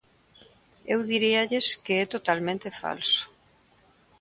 Eu diríalles que é totalmente falso.